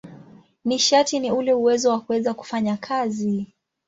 Nishati ni ule uwezo wa kuweza kufanya kazi.